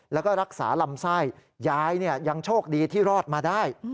แล้วก็รักษาลำไส้ยายยังโชคดีที่รอดมาได้